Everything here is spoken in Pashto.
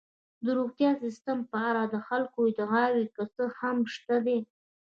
د روغتیايي سیستم په اړه د خلکو ادعاوې که څه هم شته دي.